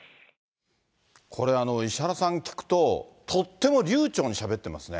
これ、石原さん、聞くと、とっても流ちょうにしゃべってますね。